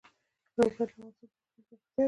لوگر د افغانستان د اقلیم ځانګړتیا ده.